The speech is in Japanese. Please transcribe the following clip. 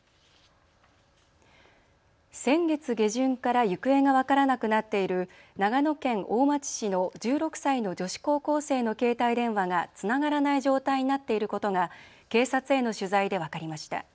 先月下旬から行方が分からなくなっている長野県大町市の１６歳の女子高校生の携帯電話がつながらない状態になっていることが警察への取材で分かりました。